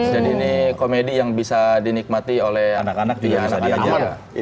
jadi ini komedi yang bisa dinikmati oleh anak anak juga bisa diajak